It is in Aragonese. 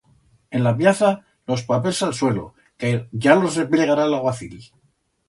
En la pllaza, los papels a'l suelo, que ya los repllegará l'aguacil.